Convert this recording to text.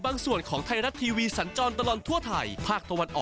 มาร่วมกิจกรรมกับเรามากมาย